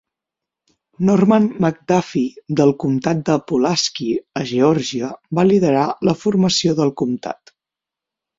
Norman McDuffie, del comtat de Pulaski, a Geòrgia, va liderar la formació del comtat.